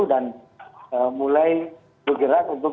dan mulai bergerak untuk